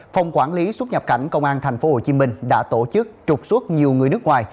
phòng quản lý xuất nhập cảnh công an thành phố hồ chí minh đã tổ chức trục xuất nhiều người nước ngoài